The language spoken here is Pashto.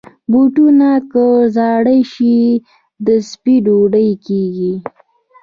بوټونه که زاړه شي، د سپي ډوډۍ کېږي.